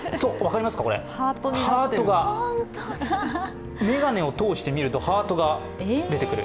ハートが、眼鏡を通して見るとハートが出てくる。